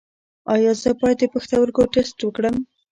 ایا زه باید د پښتورګو ټسټ وکړم؟